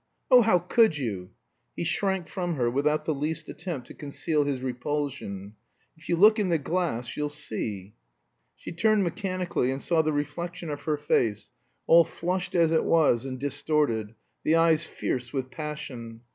Oh, how could you?" He shrank from her, without the least attempt to conceal his repulsion. "If you look in the glass you'll see." She turned mechanically and saw the reflection of her face, all flushed as it was and distorted, the eyes fierce with passion.